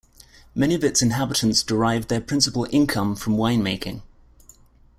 Many of its inhabitants derive their principal income from winemaking.